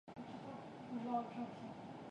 杂种鱼鳔槐为豆科鱼鳔槐属下的一个种。